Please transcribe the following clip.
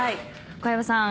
小籔さん